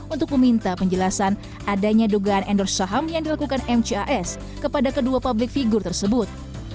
untuk meminta penjelasan adanya dugaan endorse saham yang dilakukan mcas kepada kedua publik figur tersebut